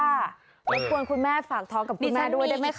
รบกวนคุณแม่ฝากท้องกับคุณแม่ด้วยได้ไหมคะ